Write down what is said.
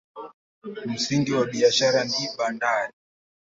Msingi wa biashara ni bandari.